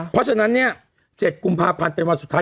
เพราะฉะนั้นเนี่ย๗กุมภาพันธ์เป็นวันสุดท้าย